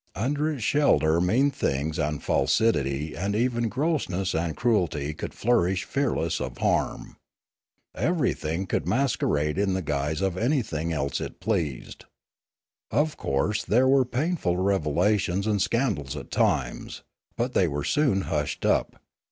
Under its shelter mean things ana falsity and even grossness and cruelty could flourish fearless of harm. Everything could masquerade in the guise of anything else it pleased. Of course there were pain ful revelations and scandals at times; but they were soon hushed up.